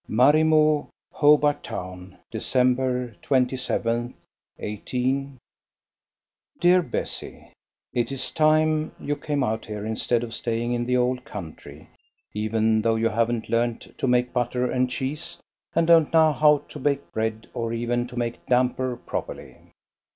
MARIMOO, HOBART TOWN, December 27th, 18 . DEAR BESSIE, It's time you came out here instead of staying in the old country, even though you haven't learnt to make butter and cheese, and don't know how to bake bread, or even to make "damper" properly.